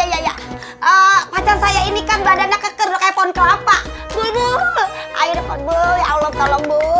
ya pak saya ini kan badannya kekerok iphone kelapa burung air pondol ya allah tolong bu